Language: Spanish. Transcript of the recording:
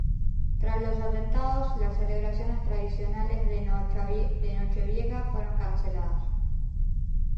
Tras los atentados, las celebraciones tradicionales de la Nochevieja fueron canceladas.